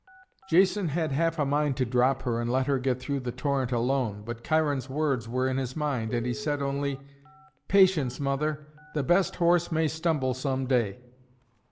Jason had half a mind to drop her and let her get through the torrent alone, but Cheiron's words were in his mind, and he said only, "Patience, mother, the best horse may stumble some day."